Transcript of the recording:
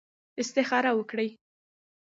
استخاره وکړئ.